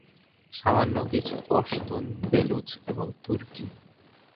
সামান্য কিছু পশতুন, বেলুচ এবং তুর্কী।